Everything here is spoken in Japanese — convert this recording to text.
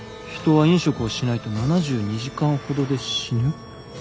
人は飲食をしないと７２時間ほどで死ぬ。